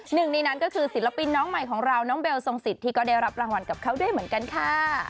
หนึ่งในนั้นก็คือศิลปินน้องใหม่ของเราน้องเบลทรงสิทธิก็ได้รับรางวัลกับเขาด้วยเหมือนกันค่ะ